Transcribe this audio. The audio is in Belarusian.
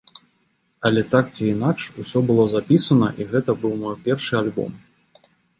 Але так ці інакш усё было запісана, і гэта быў мой першы альбом.